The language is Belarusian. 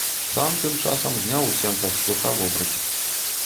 Сам тым часам зняў у сенцах з крука вобраць.